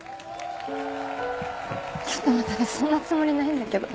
ちょっと待って私そんなつもりないんだけど。